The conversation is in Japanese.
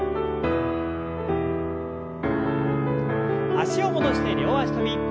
脚を戻して両脚跳び。